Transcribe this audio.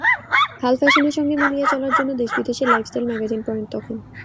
হাল ফ্যাশনের সঙ্গে মিলিয়ে চলার জন্য দেশ-বিদেশের লাইফস্টাইল ম্যাগাজিন পড়েন তখন।